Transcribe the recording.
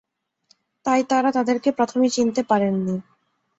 তাই তাঁরা তাঁদেরকে প্রথমে চিনতে পারেননি।